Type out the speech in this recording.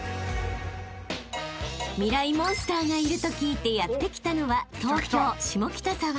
モンスターがいると聞いてやって来たのは東京下北沢］